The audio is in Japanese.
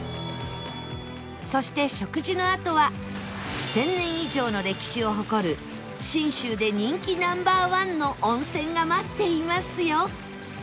そして食事のあとは１０００年以上の歴史を誇る信州で人気 Ｎｏ．１ の温泉が待っていますよ